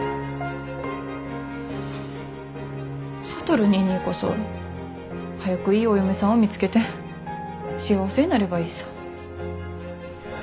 智ニーニーこそ早くいいお嫁さんを見つけて幸せになればいいさ。